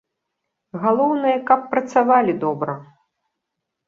Галоўнае, каб працавалі добра.